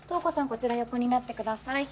こちら横になってください